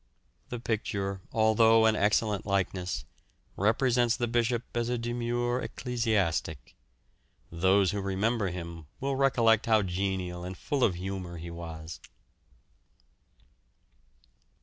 The picture, although an excellent likeness, represents the Bishop as a demure ecclesiastic. Those who remember him will recollect how genial and full of humour he was.